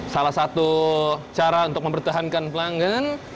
salah satu cara untuk mempertahankan pelanggan